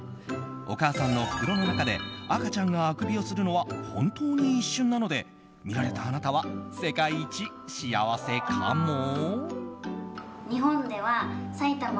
お母さんの袋の中で赤ちゃんがあくびをするのは本当に一瞬なので見られたあなたは世界一幸せかも。